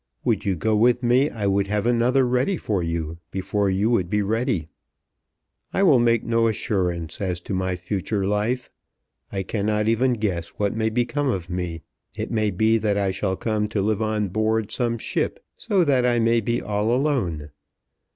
"Would you go with me I would have another ready for you, before you would be ready. I will make no assurance as to my future life. I cannot even guess what may become of me. It may be that I shall come to live on board some ship so that I may be all alone.